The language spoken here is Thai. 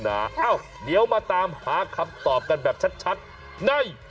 เอ้าเดี๋ยวมาตามหาคำตอบกันแบบชัดใน